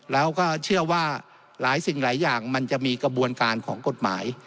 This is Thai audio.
แล้วก็เชื่อว่าหลายสิ่งหลายอย่างมันจะมีกระบวนการของกฎหมาย